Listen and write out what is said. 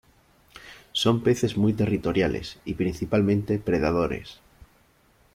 Son peces muy territoriales y principalmente predadores.